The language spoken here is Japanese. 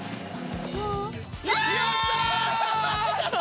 やった！